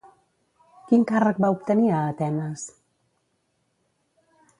Quin càrrec va obtenir a Atenes?